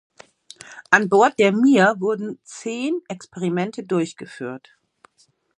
An Bord der Mir wurden zehn Experimente durchgeführt.